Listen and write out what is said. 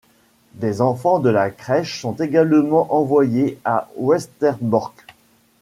Des enfants de la crèche sont également envoyés à Westerbork.